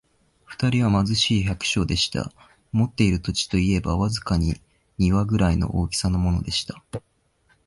二人は貧しい百姓でした。持っている土地といえば、わずかに庭ぐらいの大きさのものでした。